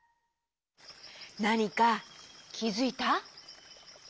なにかきづいた？